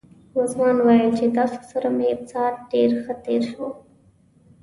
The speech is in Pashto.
رضوان ویل چې تاسو سره مې ساعت ډېر ښه تېر شو.